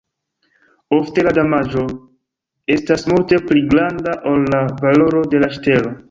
Ofte la damaĝo estas multe pli granda ol la valoro de la ŝtelo.